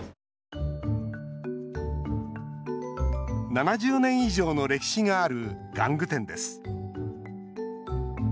７０年以上の歴史がある玩具店です。